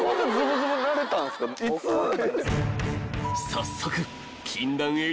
［早速］